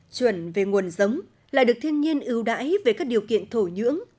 chuẩn về nguồn giống lại được thiên nhiên ưu đãi về các điều kiện thổ nhưỡng